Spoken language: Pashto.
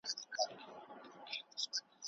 ځینې کسان دا نه مني.